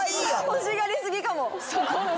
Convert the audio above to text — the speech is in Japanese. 欲しがり過ぎかも。